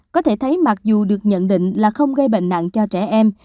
có thể thấy mặc dù được nhận định là không gây bệnh nặng cho trẻ em